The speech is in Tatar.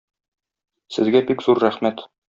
Сезгә бик зур рәхмәт.